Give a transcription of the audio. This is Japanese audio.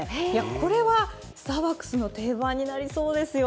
これはスターバックスの定番になりそうですよ。